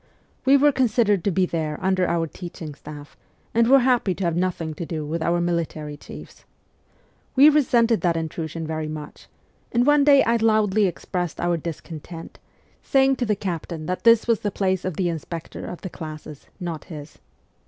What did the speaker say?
We were considered to be there under our teaching staff, and were happy to have nothing to do with our military chiefs. We resented that intrusion very much, and one day I loudly expressed our dis content, saying to the captain that this was the place of the inspector of the classes, not his.